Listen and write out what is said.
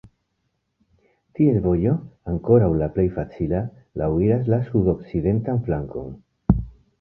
Ties vojo, ankoraŭ la plej facila, laŭiras la sudokcidentan flankon.